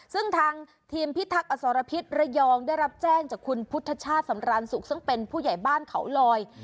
ซึ่งทางทีมพิทักษ์อสรพิษระยองได้รับแจ้งจากคุณพุทธชาติสำรานสุขซึ่งเป็นผู้ใหญ่บ้านเขาลอย